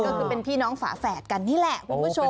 ก็คือเป็นพี่น้องฝาแฝดกันนี่แหละคุณผู้ชม